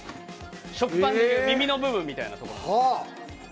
食パンでいう耳の部分みたいな所です。